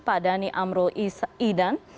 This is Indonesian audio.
pak dhani amrul idan